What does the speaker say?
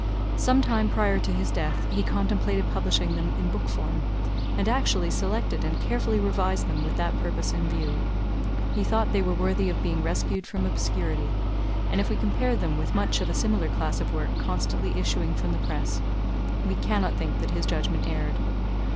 Some time prior to his death he contemplated publishing them in book form, and actually selected and carefully revised them with that purpose in view. He thought they were worthy of being rescued from obscurity, and if we compare them with much of a similar class of work constantly issuing from the press, we cannot think that his judgment erred.